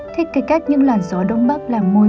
thích cái cách những làn gió đông bắc làm môi